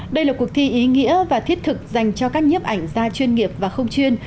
đây là cuộc thi ý nghĩa và thiết thực dành cho các nhiếp ảnh gia chuyên nghiệp và không chuyên